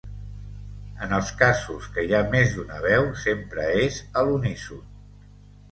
En els casos que hi ha més d'una veu, sempre és a l'uníson.